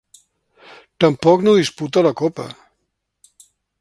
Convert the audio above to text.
Tampoc no disputa la Copa.